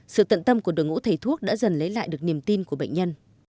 sự tận tâm của đội ngũ thầy thuốc đã dần lấy lại được niềm tin của bệnh nhân